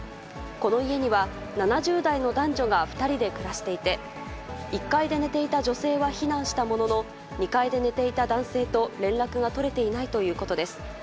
この家には７０代の男女が２人で暮らしていて、１階で寝ていた女性は避難したものの、２階で寝ていた男性と連絡が取れていないということです。